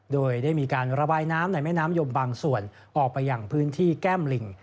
โดยได้มีการระบายน้ำในแม่น้ำยมบางส่วนออกไปอย่างพื้นที่แก้มลิง